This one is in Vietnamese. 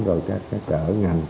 rồi các cái sở ngành